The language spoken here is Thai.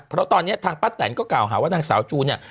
เพราะตอนนี้ทางป้าแตนก็กล่าวหาว่านางสาวจูนเนี่ย